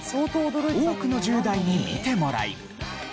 多くの１０代に見てもらい。